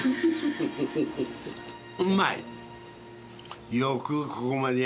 うまい！